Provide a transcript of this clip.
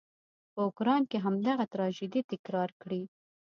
په اوکراین کې همدغه تراژيدي تکرار کړي.